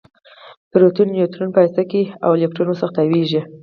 پروټون او نیوټرون په هسته کې وي او الکترون ورڅخه تاویږي